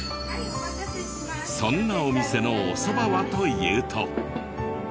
そんなお店のお蕎麦はというと。